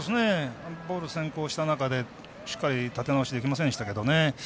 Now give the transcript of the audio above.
ボール先行した中でしっかり立て直しできませんでしたけどね。